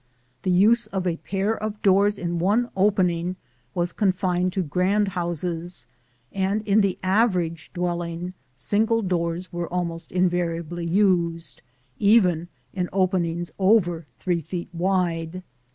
The use of a pair of doors in one opening was confined to grand houses, and in the average dwelling single doors were almost invariably used, even in openings over three feet wide.